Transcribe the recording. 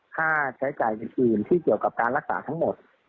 ค่าใช้จ่ายอื่นที่เกี่ยวกับการรักษาทั้งหมด